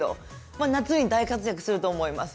まあ夏に大活躍すると思います。